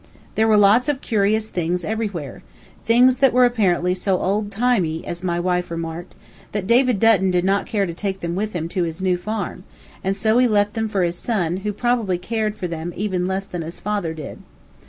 There were lots of curious things everywhere, things that were apparently so "old timey," as my wife remarked, that David Dutton did not care to take them with him to his new farm, and so left them for his son, who probably cared for them even less than his father did.